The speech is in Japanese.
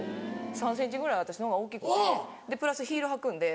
３ｃｍぐらい私の方が大きくてプラスヒール履くんで。